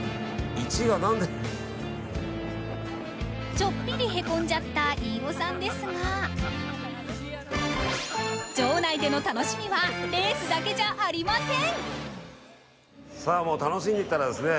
ちょっぴりへこんじゃった飯尾さんですが場内での楽しみはレースだけじゃありません。